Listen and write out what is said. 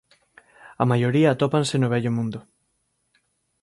A maioría atópanse no Vello Mundo.